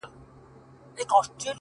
• جهالت ته وکتل او د ا غزل مي ولیکل ,